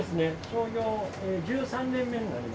創業１３年目になります。